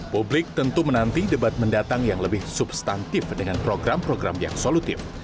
publik tentu menanti debat mendatang yang lebih substantif dengan program program yang solutif